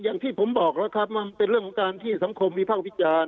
อย่างที่ผมบอกแล้วครับมันเป็นเรื่องของการที่สังคมวิภาควิจารณ์